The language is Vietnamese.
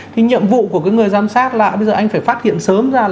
thì nhiệm vụ của người giám sát là bây giờ anh phải phát hiện sớm ra